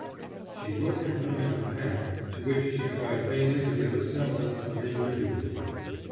She looked at him in a panic to which she tried vainly to give a semblance of incredulity.